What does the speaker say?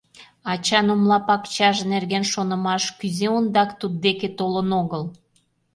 Ачан «умлапакчаж» нерген шонымаш кузе ондак туддеке толын огыл?